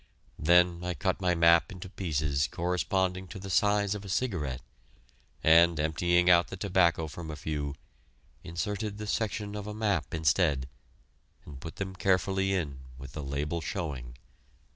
Then I cut my map into pieces corresponding to the size of a cigarette, and, emptying out the tobacco from a few, inserted the section of map instead, and put them carefully in with the label showing.